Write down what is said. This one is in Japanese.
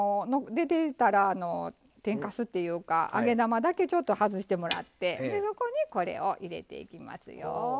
出てたら天かすっていうか揚げ玉だけちょっと外してもらってそこにこれを入れていきますよ。